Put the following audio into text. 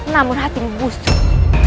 namun hatimu busuk